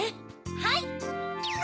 はい！